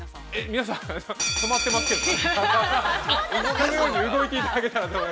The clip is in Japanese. ◆皆さん、止まってますけど。